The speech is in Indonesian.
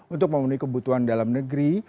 untuk memenuhi kebutuhan dalam negeri